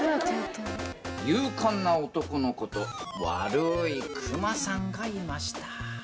勇敢な男の子と、悪ーい熊さんがいました。